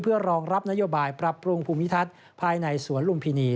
เพื่อรองรับนโยบายปรับปรุงภูมิทัศน์ภายในสวนลุมพินี